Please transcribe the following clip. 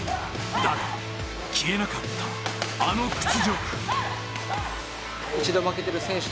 だが、消えなかったあの屈辱。